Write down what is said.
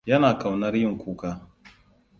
Yana ƙaunar yin kuka.